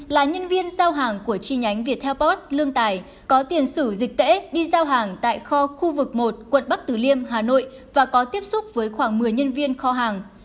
là nhân viên giao hàng của chi nhánh viettel post lương tài có tiền sử dịch tễ đi giao hàng tại kho khu vực một quận bắc tử liêm hà nội và có tiếp xúc với khoảng một mươi nhân viên kho hàng